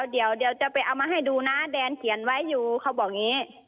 เดี๋ยวจะไปเอามาให้ดูนะแดนเขียนไว้อยู่เขาบอกอย่างนี้